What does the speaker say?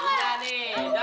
udah nih udah